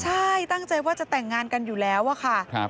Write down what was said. ใช่ตั้งใจว่าจะแต่งงานกันอยู่แล้วอะค่ะ